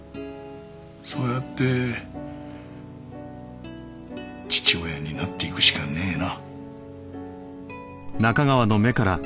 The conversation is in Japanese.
そうやって父親になっていくしかねえな。